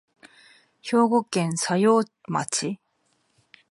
兵庫県佐用町